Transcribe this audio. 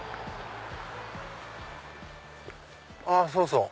あっそうそう